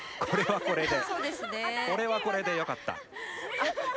これは、これでよかった。